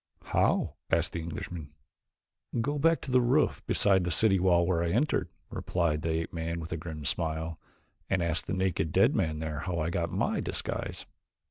"How?" asked the Englishman. "Go back to the roof beside the city wall where I entered," replied the ape man with a grim smile, "and ask the naked dead man there how I got my disguise."